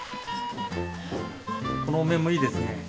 このお面もいいですね。